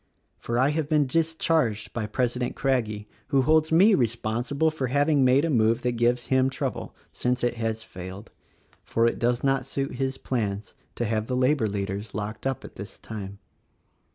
For I have been discharged by President Crag gie who holds me responsible for having made a move that gives him trouble — since it has failed. For it does not suit his plans to have the labor leaders locked up at this time.